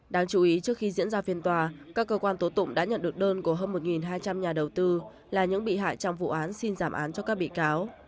đáng chú ý trước khi diễn ra phiên tòa các cơ quan tố tụng đã nhận được đơn của hơn một hai trăm linh nhà đầu tư là những bị hại trong vụ án xin giảm án cho các bị cáo